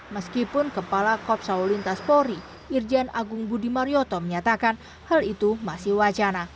meskipun kepala kopsaulintas pori irjen agung budi marioto menyatakan hal itu masih wacana